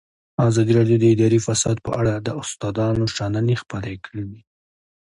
ازادي راډیو د اداري فساد په اړه د استادانو شننې خپرې کړي.